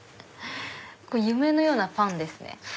夢のようなパンですね。